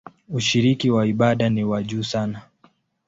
Ushiriki wa ibada ni wa juu sana.